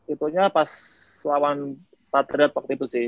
itunya pas lawan patriot waktu itu sih